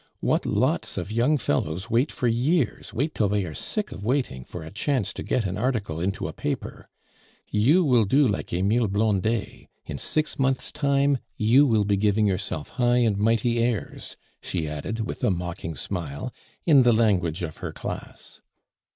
"What lots of young fellows wait for years, wait till they are sick of waiting, for a chance to get an article into a paper! You will do like Emile Blondet. In six months' time you will be giving yourself high and mighty airs," she added, with a mocking smile, in the language of her class.